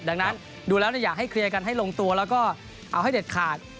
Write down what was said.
ดังนั้นดูแล้วอยากให้เคลียร์กันให้ลงตัวแล้วก็เอาให้เด็ดขาด